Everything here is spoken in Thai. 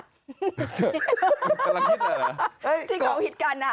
ที่เขาหิดกัน